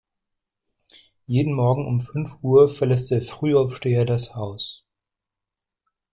Jeden Morgen um fünf Uhr verlässt der Frühaufsteher das Haus.